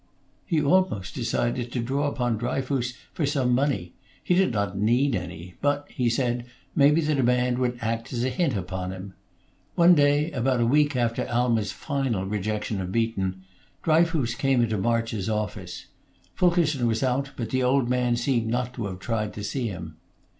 He almost decided to draw upon Dryfoos for some money; he did not need any, but, he said maybe the demand would act as a hint upon him. One day, about a week after Alma's final rejection of Beaton, Dryfoos came into March's office. Fulkerson was out, but the old man seemed not to have tried to see him.